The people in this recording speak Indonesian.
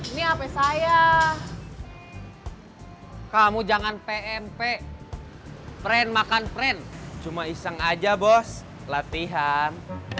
ini apa saya kamu jangan pmp friend makan friend cuma iseng aja bos latihan